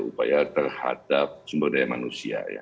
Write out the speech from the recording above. upaya terhadap sumber daya manusia ya